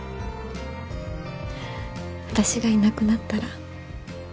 私がいなくなったら。